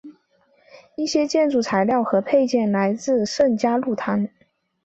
一些建筑材料和配件来自圣嘉禄堂。